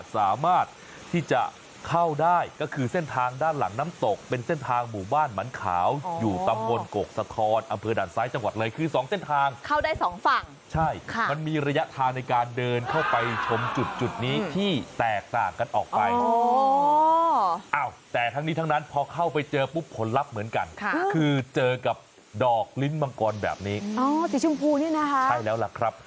สามารถที่จะเข้าได้ก็คือเส้นทางด้านหลังน้ำตกเป็นเส้นทางหมู่บ้านมันขาวอยู่ตำบลกกสะท้อนอำเภอด่านซ้ายจังหวัดเลยคือสองเส้นทางเข้าได้สองฝั่งใช่ค่ะมันมีระยะทางในการเดินเข้าไปชมจุดนี้ที่แตกต่างกันออกไปแต่ทั้งนี้ทั้งนั้นพอเข้าไปเจอปุ๊บผลลัพธ์เหมือนกันคือเจอกับดอกลิ้นมังกรแบบนี้อ๋อสีชมพูนี่นะคะใช่แล้วล่ะครับ